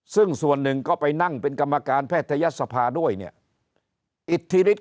ซึ่งส่วนหนึ่งก็ไปนั่งเป็นกรรมการแพทยศภาด้วยเนี่ยอิทธิฤทธ